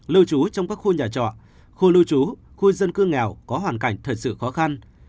lưu trú trong các khu nhà trọ khu lưu trú khu dân cư nghèo có hoàn cảnh thật sự khó khăn